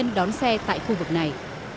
công nhân đón xe tại khu vực này